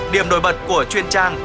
điểm nổi bật của truyền trang